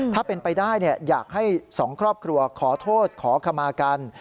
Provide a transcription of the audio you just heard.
ถ้าเป็นไปได้อยากให้สองครอบครัวขอโทษขอขมากัน